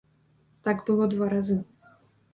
Так было два разы.